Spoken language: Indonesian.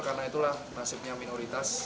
karena itulah nasibnya minoritas